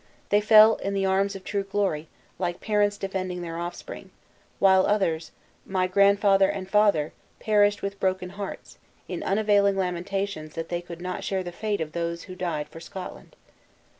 They fell in the arms of true glory, like parents defending their offspring; while others my grandfather and father perished with broken hearts, in unavailing lamentations that they could not share the fate of those who died for Scotland."